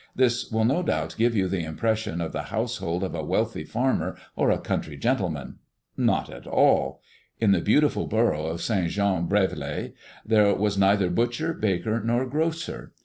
This will no doubt give you the impression of the household of a wealthy farmer or a country gentleman. Not at all. In the beautiful borough of St. Jean Brévelay there was neither butcher, baker, nor grocer.